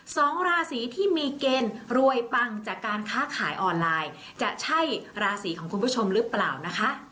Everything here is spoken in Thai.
สองราศีที่มีเกณฑ์รวยปังจากการค้าขายออนไลน์จะใช่ราศีของคุณผู้ชมหรือเปล่านะคะ